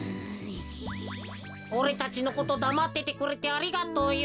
おれたちのことだまっててくれてありがとうよ。